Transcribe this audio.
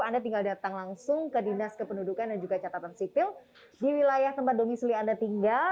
anda tinggal datang langsung ke dinas kependudukan dan juga catatan sipil di wilayah tempat domisili anda tinggal